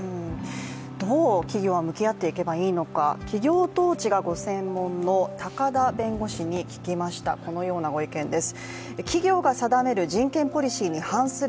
どう企業は向かい合っていけばいいのか企業統治がご専門の高田弁護士のご意見です。